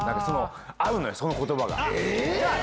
合うのよ、そのことばが。